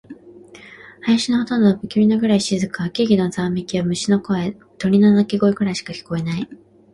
林のほとんどは不気味なくらい静か。木々のざわめきや、虫の音、鳥の鳴き声くらいしか聞こえない。